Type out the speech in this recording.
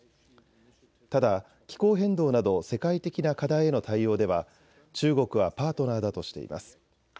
ただ気候変動など世界的な課題への対応では中国はパートナーだとしています。